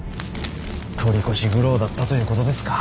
取り越し苦労だったということですか。